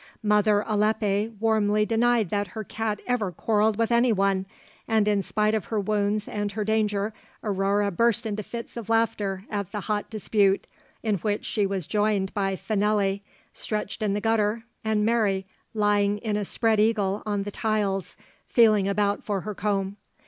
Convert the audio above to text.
Mother Alippe warmly denied that her cat ever quarrelled with anyone, and in spite of her wounds and her danger, Aurore burst into fits of laughter at the hot dispute, in which she was joined by Fanelly stretched in the gutter, and Mary lying in a 'spread eagle' on the tiles, feeling about for her comb.